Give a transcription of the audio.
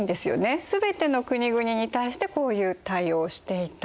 全ての国々に対してこういう対応をしていたと。